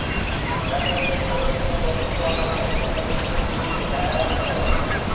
Rajshahi city করপোরেশনের বরখাস্ত হওয়া মেয়র মোসাদ্দেক হোসেন বুলবুলকে কারাগারে পাঠানো হয়েছে।